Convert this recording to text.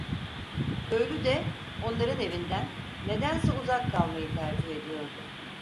Köylü de onların evinden nedense uzak kalmayı tercih ediyordu.